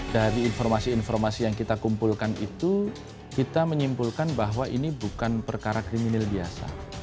dari informasi informasi yang kita kumpulkan itu kita menyimpulkan bahwa ini bukan perkara kriminal biasa